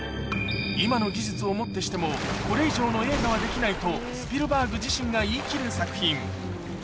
今の技術をもってしても、これ以上の映画はできないと、スピルバーグ自身が言いきる作品。